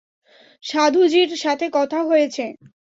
সাধুজির সাথে কথা হয়েছে।